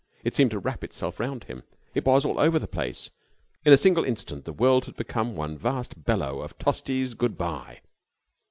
It seemed to wrap itself round him. It was all over the place. In a single instant the world had become one vast bellow of Tosti's "Goodbye."